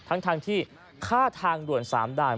ทั้งที่ค่าทางด่วน๓ด่าน